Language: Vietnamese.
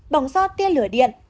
bỏng do tiên lửa điện